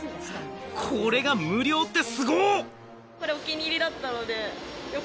これが無料って、すごっ！